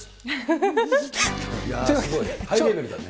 すごい、ハイレベルだね。